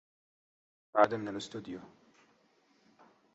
عاد من الاستيديو.